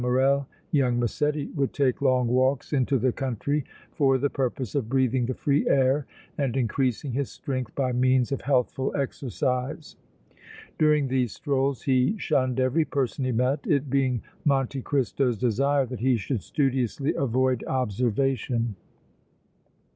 Morrel, young Massetti would take long walks into the country for the purpose of breathing the free air and increasing his strength by means of healthful exercise. During these strolls he shunned every person he met, it being Monte Cristo's desire that he should studiously avoid observation.